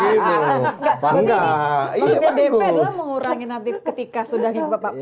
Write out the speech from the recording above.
maksudnya dp adalah mengurangi nanti ketika sudah di pak prabowo